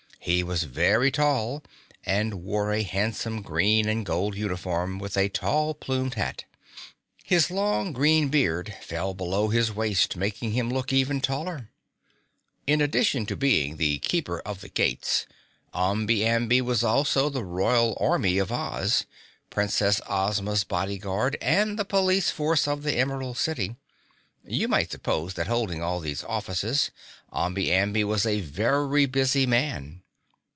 He was very tall and wore a handsome green and gold uniform with a tall plumed hat. His long, green beard fell below his waist making him look even taller. In addition to being the Keeper of the Gates, Omby Amby was also the Royal Army of Oz, Princess Ozma's Body Guard and the Police Force of the Emerald City. You might suppose that, holding all these offices, Omby Amby was a very busy man.